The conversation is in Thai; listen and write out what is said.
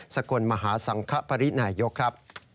สกลมหาสังคปรินายกครับ